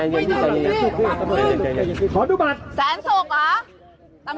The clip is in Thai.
เอาบัตรมา